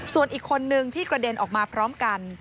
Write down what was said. ส่วนอีกคนนึงที่กระเด็นออกมาพร้อมกัน